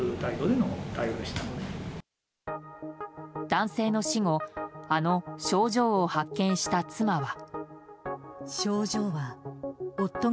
男性の死後あの賞状を発見した妻は。